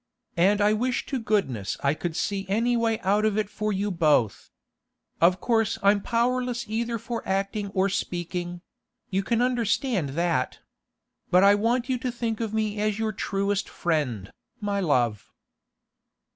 And I wish to goodness I could only see any way out of it for you both. Of course I'm powerless either for acting or speaking: you can understand that. But I want you to think of me as your truest friend, my love.